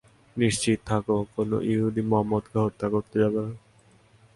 নিশ্চিত থাক, কোন ইহুদী মুহাম্মদকে হত্যা করতে যাবে না।